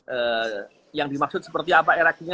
air aki yang dimaksud seperti apa